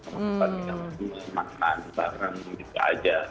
semua semua makan bareng gitu aja